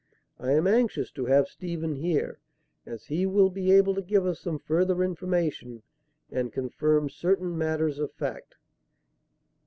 I am anxious to have Stephen here, as he will be able to give us some further information and confirm certain matters of fact."